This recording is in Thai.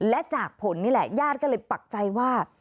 และจากผลนี่แหละญาติก็เลยปักใจว่า